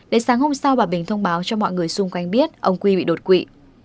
đến sáng hôm sau bà bình thông báo cho mọi người xung quanh biết ông quy bị đột quỵ